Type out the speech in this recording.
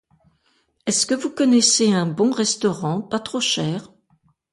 Est-ce que vous connaissez un bon restaurant, pas trop cher ?